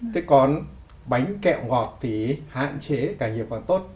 thế còn bánh kẹo ngọt thì hạn chế càng nhiều càng tốt